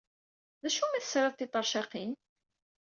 D acu umi tesrid tiṭercaqin?